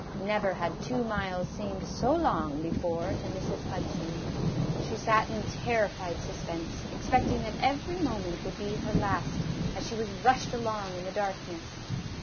Never had two miles seemed so long before to Mrs. Hudson. She sat in terrified suspense, expecting that every moment would be her last, as she was rushed along in the darkness.